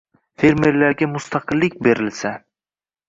Fermerlarga mustaqillik berilsa